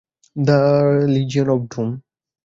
The legion of ডুম?